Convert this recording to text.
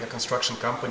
dan kita sebagai pembinaan